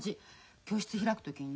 教室開く時にね